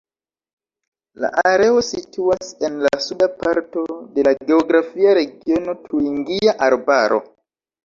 La areo situas en la suda parto de la geografia regiono Turingia Arbaro.